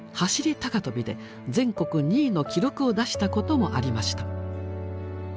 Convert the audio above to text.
高跳びで全国２位の記録を出したこともありました。